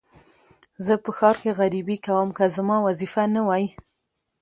زه په ښار کې غريبي کوم که زما وظيفه نه وى.